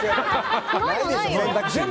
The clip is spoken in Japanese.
ないでしょ、選択肢。